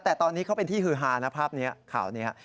แต่ตอนนี้เขาเป็นที่ฮือฮานะภาพนี้ข่าวนี้